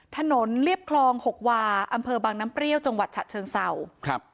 ถนนเรียบคลองหกวาอำเภอบางน้ำเปรี้ยวจังหวัดฉะเชิงเศร้าครับ